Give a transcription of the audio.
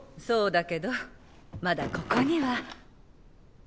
そうだけどまだここには。